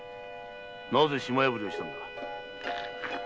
なぜ島破りをしたんだ。